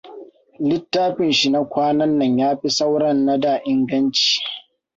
Littafin shi na kwananan ya fi sauran na da' inganci.